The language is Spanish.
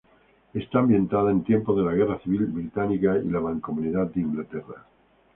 Está ambientada en tiempos de la Guerra Civil Inglesa y la Mancomunidad de Inglaterra.